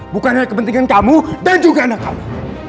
bukannya kepentingan kamu dan juga anak kamu